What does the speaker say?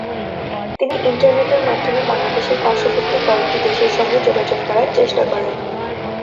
তিনি ইন্টারনেটের মাধ্যমে বাংলাদেশের পার্শ্ববর্তী কয়েকটি দেশের সঙ্গে যোগাযোগ করার চেষ্টা করেন।